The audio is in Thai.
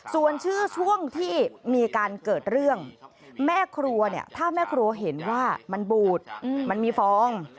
ส่วนชื่อช่วงที่มีการเกิดเรื่องแม่ครัวเนี่ยถ้าแม่ครัวเห็นว่ามันบูดมันมีฟอง